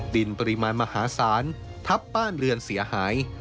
ดินปริมาณมหาศาลทับบ้านเรือนเสียหาย